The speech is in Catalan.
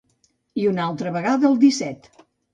I una altra vegada el disset.